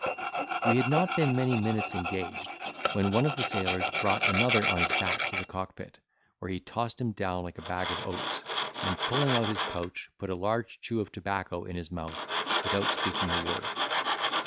We had not been many minutes engaged, when one of the sailors brought another on his back to the cockpit, where he tossed him down like a bag of oats, and pulling out his pouch, put a large chew of tobacco in his mouth without speaking a word.